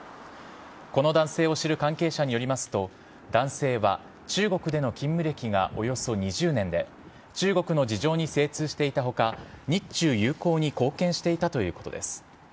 この男性を知る関係者によりますと、男性は中国での勤務歴がおよそ２０年で、中国の事情に精通していたほか、日中友好に貢献していたということです。